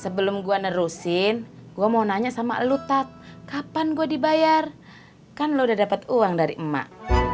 sebelum gue nerusin gue mau nanya sama lu tat kapan gue dibayar kan lu udah dapet uang dari emak